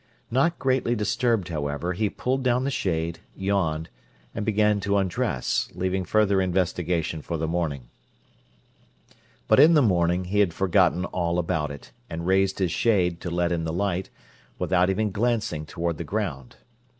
Not greatly disturbed, however, he pulled down the shade, yawned, and began to undress, leaving further investigation for the morning. But in the morning he had forgotten all about it, and raised his shade, to let in the light, without even glancing toward the ground.